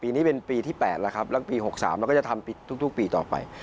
นี้เป็นปีที่๘แล้วครับแล้วปี๖๓เราก็จะทำทุกปีต่อไป